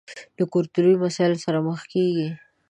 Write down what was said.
له کلتوري مسايلو سره مخ کېږي.